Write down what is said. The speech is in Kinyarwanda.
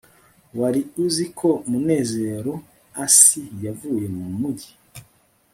wari uzi ko munezeroasi yavuye mu mujyi